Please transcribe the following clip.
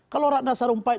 kalau ratna sarumpayat